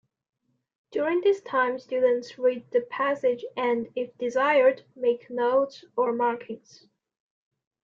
During this time, students read the passage and, if desired, make notes or markings.